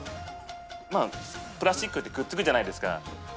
まあプラスチックってくっつくじゃないですか。